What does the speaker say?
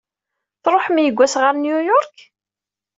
Tṛuḥem yewwas ɣer New York?